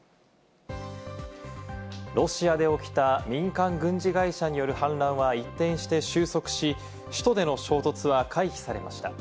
ロシアで起きた民間軍事会社による反乱は一転して収束し、首都での衝突は回避されました。